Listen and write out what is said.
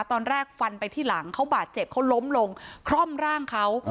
ตอนแรกฟันไปที่หลังเขาบาดเจ็บเขาล้มลงคร่อมร่างเขา